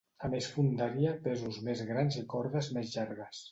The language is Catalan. A més fondària, pesos més grans i cordes més llargues.